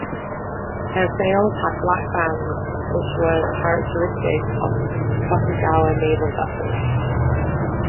Her sails had black bands, which was characteristic of Tokugawa naval vessels.